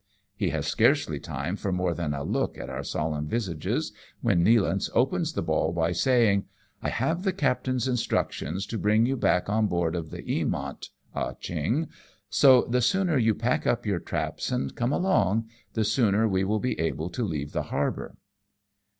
He has scarcely time for more than a look at our solemn visages, when Nealance opens the ball by saying :" I have the captain's instructions to bring you back on board the Eamont, Ah Cheong, so the sooner you pack up your traps and come along, the sooner we \\'ill be able to leave the harbour.''